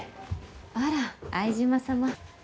あら相島様。